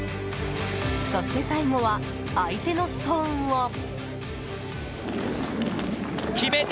そして最後は相手のストーンを。